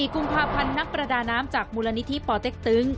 ๔กุมภาพันธ์นักประดาน้ำจากมูลนิธิปอเต็กตึง